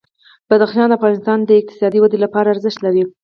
بدخشان د افغانستان د اقتصادي ودې لپاره ارزښت لري.